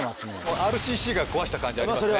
ＲＣＣが壊した感じありますね